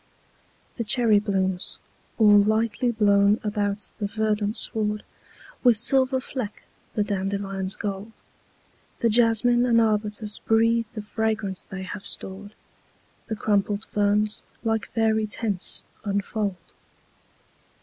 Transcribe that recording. The cherry blooms, all lightly blown about the verdant sward, With silver fleck the dandelion's gold; The jasmine and arbutus breathe the fragrance they have stored; The crumpled ferns, like faery tents, unfold.